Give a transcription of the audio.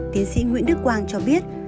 tiến sĩ nguyễn đức quang cho biết